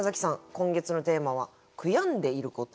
今月のテーマは「悔やんでいること」。